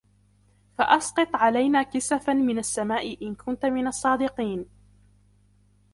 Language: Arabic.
فَأَسْقِطْ عَلَيْنَا كِسَفًا مِنَ السَّمَاءِ إِنْ كُنْتَ مِنَ الصَّادِقِينَ